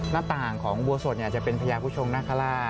หน้าต่างของอุโบสถจะเป็นพญาผู้ชงนาคาราช